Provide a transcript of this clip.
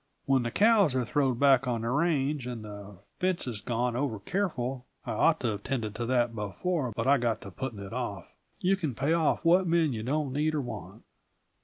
When the cows are throwed back on the range and the fences gone over careful I ought to have tended to that before, but I got to putting it off you can pay off what men you don't need or want."